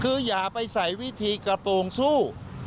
คืออย่าไปใส่วิธีกระโปรงสู้